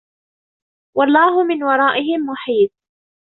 وَاللَّهُ مِن وَرائِهِم مُحيطٌ